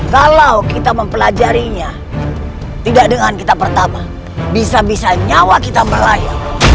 kalau kita mempelajarinya tidak dengan kita pertama bisa bisa nyawa kita berlayar